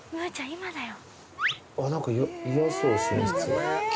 今だよ。